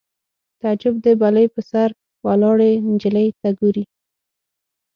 تعجب د بلۍ په سر ولاړې نجلۍ ته ګوري